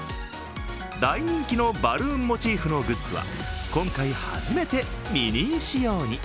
大人気のバルーンモチーフのグッズは今回初めてミニー仕様に。